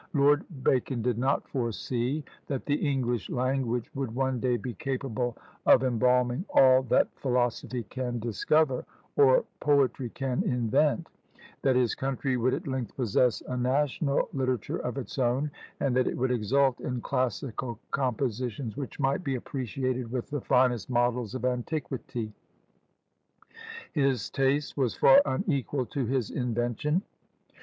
Lord Bacon did not foresee that the English language would one day be capable of embalming all that philosophy can discover, or poetry can invent; that his country would at length possess a national literature of its own, and that it would exult in classical compositions which might be appreciated with the finest models of antiquity. His taste was far unequal to his invention.